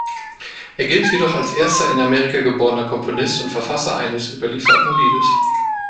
Er gilt jedoch als erster in Amerika geborener Komponist und Verfasser eines überlieferten Liedes.